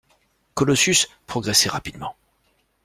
Colossus progressait rapidement